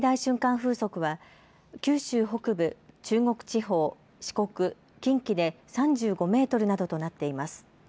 風速は九州北部、中国地方、四国、近畿で３５メートルなどとなっています。